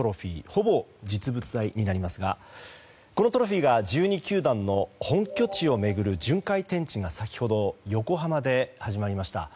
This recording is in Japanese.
ほぼ実物大になりますがこのトロフィーが１２球団の本拠地を巡る巡回展示が先ほど横浜で始まりました。